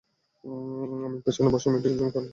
আমি পিছনের বসা মেয়েটার জন্য কার্ড রেখে গিয়েছি।